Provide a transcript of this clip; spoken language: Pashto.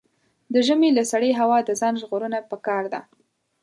د ژمي له سړې هوا د ځان ژغورنه پکار ده.